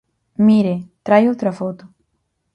Mire, traio outra foto.